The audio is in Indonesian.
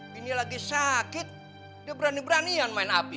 bini lagi sakit dia berani beranian main api